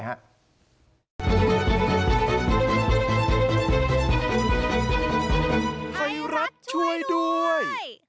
ไทยรัฐช่วยด้วย